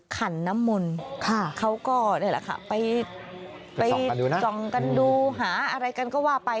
ขันน้ำมนต์เขาก็ไปจองกันดูหาอะไรกันก็ว่าไป